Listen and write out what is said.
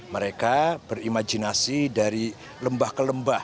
mereka berimajinasi dari lembah ke lembah